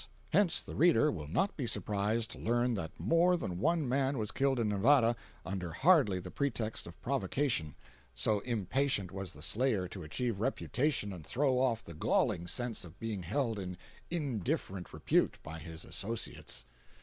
Hence the reader will not be surprised to learn that more than one man was killed in Nevada under hardly the pretext of provocation, so impatient was the slayer to achieve reputation and throw off the galling sense of being held in indifferent repute by his associates.